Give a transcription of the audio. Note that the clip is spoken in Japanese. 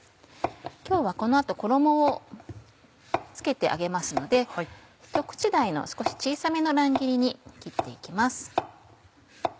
今日はこの後衣を付けて揚げますのでひと口大の少し小さめの乱切りに切って行きます。